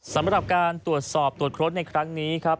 สำหรับการตรวจสอบตรวจค้นในครั้งนี้ครับ